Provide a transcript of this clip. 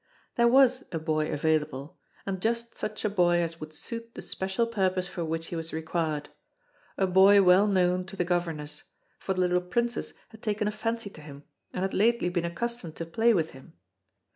There was a boy available, and just such a boy as would suit the special purpose for which he was required a boy well known to the governess, for the little Princess had taken a fancy to him and had lately been accustomed to play with him.